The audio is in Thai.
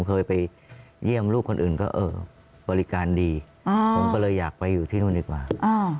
เคยไปเยี่ยมลูกคนอื่นก็เออบริการดีผมก็เลยอยากไปอยู่ที่นู่นดีกว่า